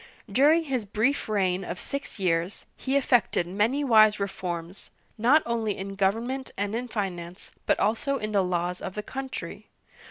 During his brief reign of six years, he effected many wise reforms, not only in government and in finance, but also in the laws of the country.